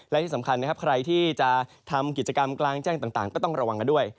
และที่สำคัญนะครับใครที่จะทำกิจกรรมกลางแจ้งต่างก็ต้องระวังกันด้วย